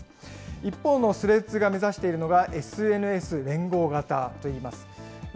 一方のスレッズが目指しているのが、ＳＮＳ連合型といいます。